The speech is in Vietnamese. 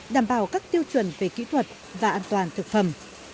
đảm bảo các tiêu chuẩn về kỹ thuật và an toàn thực phẩm